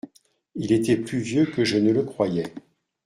Il était plus vieux que je ne le croyais.